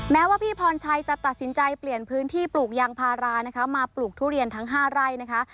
แม้ว่าพี่พรชัยจะตัดสินใจเปลี่ยนพื้นที่ปลูกยางพารานะคะมาปลูกทุเรียนทั้ง๕ไร่นะคะ